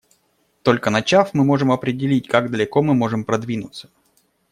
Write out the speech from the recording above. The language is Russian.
Только начав, мы можем определить, как далеко мы можем продвинуться.